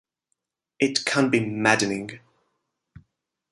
It can be maddening.